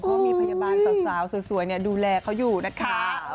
เพราะมีพยาบาลสาวสวยดูแลเขาอยู่นะคะ